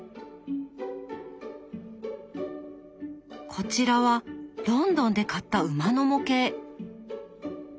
こちらはロンドンで買った馬の模型。